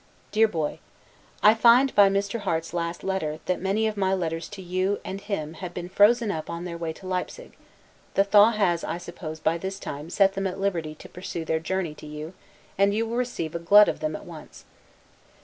DEAR BOY: I find, by Mr. Harte's last letter, that many of my letters to you and him, have been frozen up on their way to Leipsig; the thaw has, I suppose, by this time, set them at liberty to pursue their journey to you, and you will receive a glut of them at once.